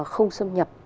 không xâm nhập